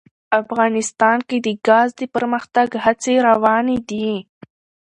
افغانستان کې د ګاز د پرمختګ هڅې روانې دي.